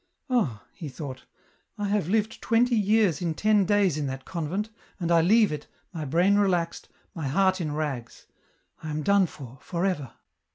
" Ah !" he thought, " I have lived twenty years in ten days in that convent, and I leave it, my brain relaxed, my heart in rags ; I am done for, for ever.